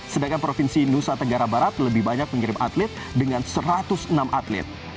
sedangkan provinsi nusa tenggara barat lebih banyak mengirim atlet dengan satu ratus enam atlet